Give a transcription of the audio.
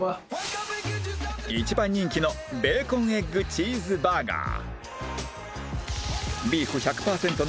一番人気のベーコンエッグチーズバーガー